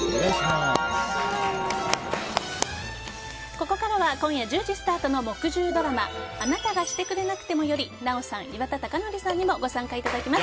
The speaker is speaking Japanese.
ここからは今夜１０時スタートの木１０ドラマ「あなたがしてくれなくても」より奈緒さん、岩田剛典さんにもご参加いただきます。